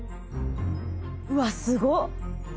うわすごっ！